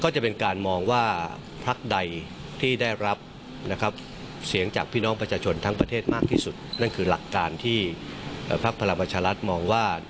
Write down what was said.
ช่วยตามรับเสียงพี่น้องปัชโชน